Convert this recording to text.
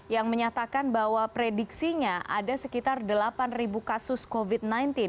yang menyatakan bahwa prediksinya ada sekitar delapan kasus covid sembilan belas